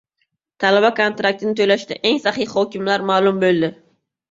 Talaba kontraktini to‘lashda eng saxiy hokimliklar ma’lum bo‘ldi